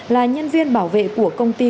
là nhân viên bảo vệ của công ty